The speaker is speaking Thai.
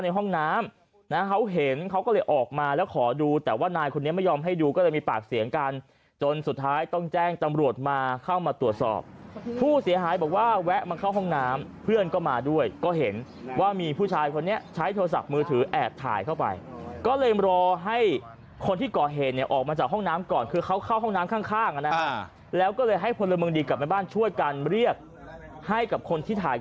ในห้องน้ำนะเขาเห็นเขาก็เลยออกมาแล้วขอดูแต่ว่านายคนนี้ไม่ยอมให้ดูก็เลยมีปากเสียงกันจนสุดท้ายต้องแจ้งตำรวจมาเข้ามาตรวจสอบผู้เสียหายบอกว่าแวะมาเข้าห้องน้ำเพื่อนก็มาด้วยก็เห็นว่ามีผู้ชายคนนี้ใช้โทรศัพท์มือถือแอบถ่ายเข้าไปก็เลยรอให้คนที่ก่อเห็นเนี่ยออกมาจากห้องน้ำก่อนคือเขาเข้าห้องน้ำข้าง